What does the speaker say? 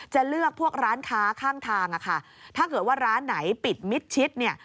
จะเลือกพวกร้านค้าข้างทางอะค่ะถ้าเกิดว่าร้านไหนปิดมิดชิดเนี่ย